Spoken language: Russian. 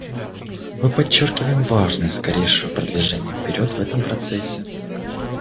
Мы подчеркиваем важность скорейшего продвижения вперед в этом процессе.